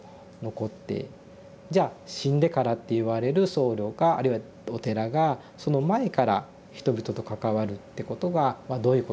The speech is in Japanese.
じゃあ「死んでから」って言われる僧侶があるいはお寺がその前から人々と関わるってことがどういうことなのか。